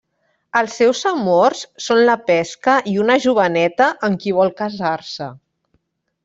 Els seus amors són la pesca i una joveneta amb qui vol casar-se.